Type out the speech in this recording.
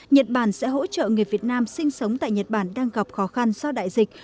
nhật bản sẽ hỗ trợ người việt nam sinh sống tại nhật bản đang gặp khó khăn do đại dịch